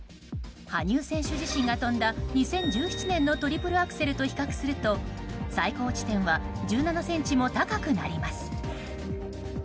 羽生選手自身が跳んだ２０１７年のトリプルアクセルと比べると最高地点は１７ｃｍも高くなります。